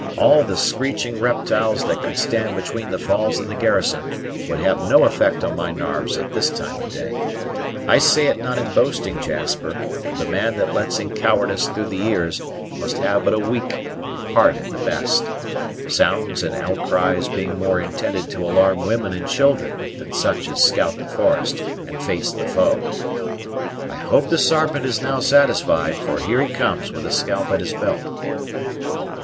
All the screeching reptyles that could stand between the falls and the garrison would have no effect on my narves at this time of day. I say it not in boasting, Jasper; for the man that lets in cowardice through the ears must have but a weak heart at the best; sounds and outcries being more intended to alarm women and children than such as scout the forest and face the foe. I hope the Sarpent is now satisfied, for here he comes with the scalp at his belt."